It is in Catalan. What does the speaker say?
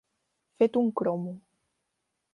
Fet un cromo.